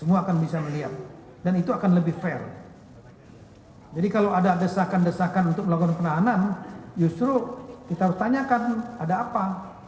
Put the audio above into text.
untuk melakukan penahanan justru kita harus tanyakan ada apa